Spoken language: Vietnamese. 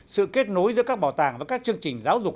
sự kết nối giữa các bảo tàng với các chương trình giáo dục